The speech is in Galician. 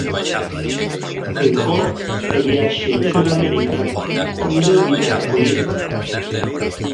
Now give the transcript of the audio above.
Feijóo, de viaxe en Sudamérica, puido evitar acudir.